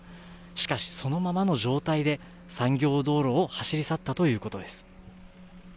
しかし、そのままの状態で、産業道路を走り去ったということです。